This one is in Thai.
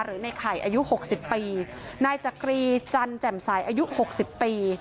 ในไข่อายุหกสิบปีนายจักรีจันแจ่มใสอายุหกสิบปี